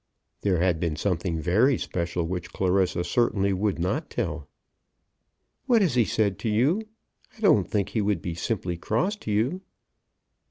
There had been something very special, which Clarissa certainly would not tell. "What has he said to you? I don't think he would be simply cross to you."